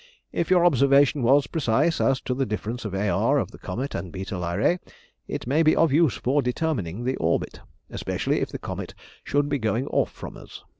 If your observation was precise as to the difference of A.R. of the comet and β Lyræ, it may be of use for determining the orbit, especially if the comet should be going off from us.